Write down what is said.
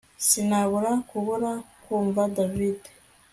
Sinabura kubura kumva David